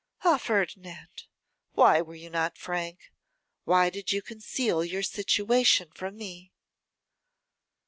'Ah! Ferdinand, why were you not frank; why did you conceal your situation from me?